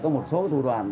để thành trẻ tâm